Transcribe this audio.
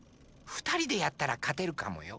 ふたりでやったらかてるかもよ。